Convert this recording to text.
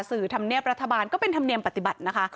ธรรมเนียบรัฐบาลก็เป็นธรรมเนียมปฏิบัตินะคะ